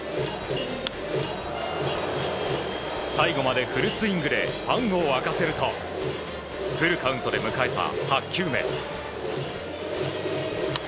最後までフルスイングでファンを沸かせるとフルカウントで迎えた８球目。